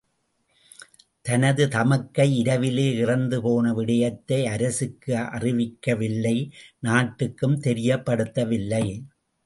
தனது தமக்கை இரவிலே இறந்து போன விடயத்தை அரசுக்கு அறிவிக்கவில்லை.நாட்டுக்கும் தெரியப்படுத்தவில்லை.